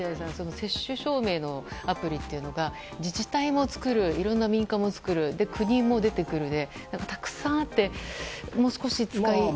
接種証明のアプリというのが自治体も作るいろんな民間も作るそして、国も出てくるでたくさんあってもう少し使いやすく。